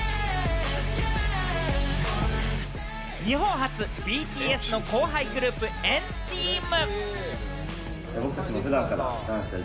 日本発ＢＴＳの後輩グループ、＆ＴＥＡＭ。